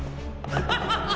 ハハハハハ！